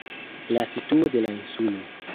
La situo de la insulo.